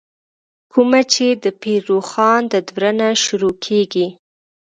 کومه چې دَپير روښان ددورنه شروع کيږې